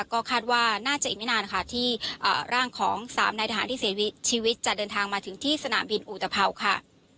ก็คาดว่าน่าจะอีกไม่นานค่ะที่ร่างของ๓นายทหารที่เสียชีวิตชีวิตจะเดินทางมาถึงที่สนามบินอุตภาวค่ะ